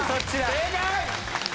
正解！